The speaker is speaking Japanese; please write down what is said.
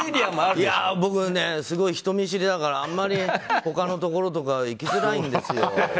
いや、僕ねすごい人見知りだからあまり他のところとか行きづらいんですよ。